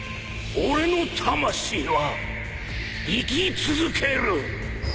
俺の魂は生き続ける！